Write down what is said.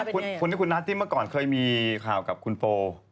คุณที่คุณนัทที่เมื่อก่อนเคยมีข่าวกับคุณโป